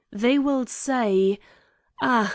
They will say, ' Ah